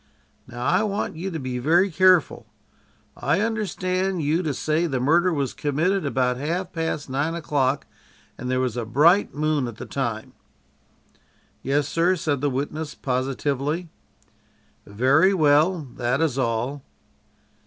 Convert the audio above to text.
"Now I want you to be very careful. I understand you to say the murder was committed about half past nine o'clock, and there was a bright moon at the time?" "Yes, sir," said the witness positively. "Very well. That is all."